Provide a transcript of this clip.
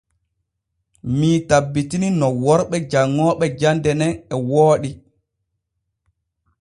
Mii tabbitini no worɓe janŋooɓe jande nen e wooɗi.